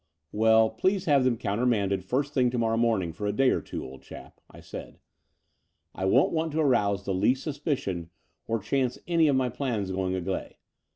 Well, please have them countermanded first thing to morrow morning for a day or two, old chap," I said. *'I won't want to arouse the least suspicion or chance any of my plans going agley.